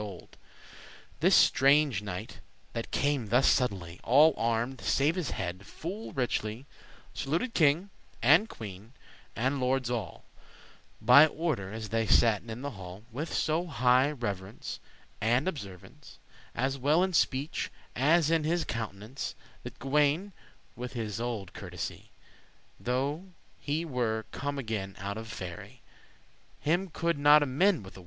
*watched This strange knight, that came thus suddenly, All armed, save his head, full richely, Saluted king, and queen, and lordes all, By order as they satten in the hall, With so high reverence and observance, As well in speech as in his countenance, That Gawain <9> with his olde courtesy, Though he were come again out of Faerie, Him *coulde not amende with a word.